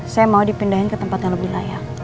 saya mau dipindahin ke tempat yang lebih layak